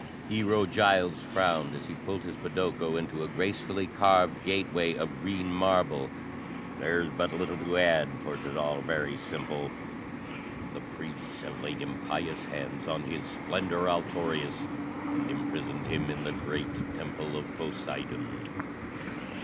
Hero Giles frowned as he pulled his podoko into a gracefully carved gateway of green marble. "There's but little to add, for 'tis all very simple. The priests have laid impious hands on His Splendor, Altorius, and imprisoned him in the great temple of Poseidon.